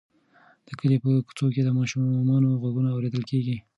د کلي په کوڅو کې د ماشومانو غږونه اورېدل کېږي.